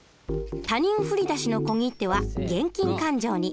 他人振り出しの小切手は現金勘定に。